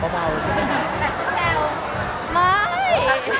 แค่เป็นลูกคู่อยู่ในเฟรมเดียวกันเฉย